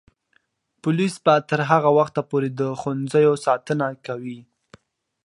پولیس به تر هغه وخته پورې د ښوونځیو ساتنه کوي.